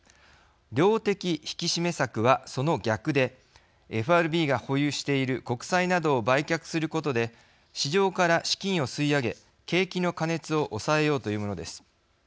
量的引き締め策は、その逆でＦＲＢが保有している国債などを売却することで市場から資金を吸い上げ景気の過熱を抑えようというものです。